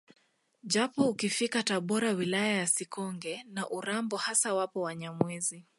Japo ukifika Tabora wilaya ya Sikonge na Urambo hasa wapo Wanyamwezi